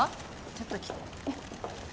ちょっと来てねっ。